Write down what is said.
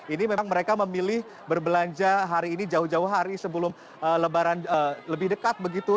ini memang mereka memilih berbelanja hari ini jauh jauh hari sebelum lebaran lebih dekat begitu